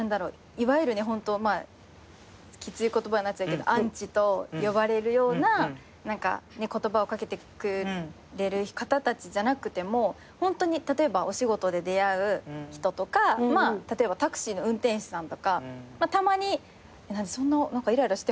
いわゆるねホントきつい言葉になっちゃうけどアンチと呼ばれるような言葉を掛けてくれる方たちじゃなくてもホントに例えばお仕事で出会う人とかタクシーの運転手さんとかたまにイライラしてはんのかなって。